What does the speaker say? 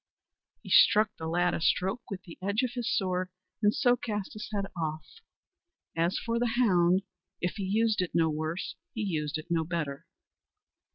He struck the lad a stroke with the edge of his sword, and so cast his head off. As for the hound, if he used it no worse, he used it no better.